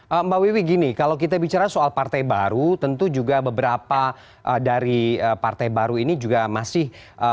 mbak wiwi gini kalau kita bicara soal partai baru tentu juga beberapa dari partai baru ini juga masih